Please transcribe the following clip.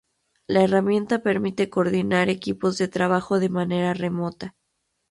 La herramienta permite coordinar equipos de trabajo de manera remota.